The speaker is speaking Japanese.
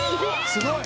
すごい！